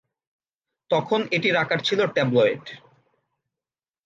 তখন এটির আকার ছিল ট্যাবলয়েড।